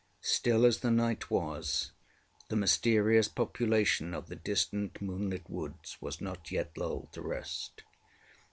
Still as the night was, the mysterious population of the distant moon lit woods was not yet lulled to rest.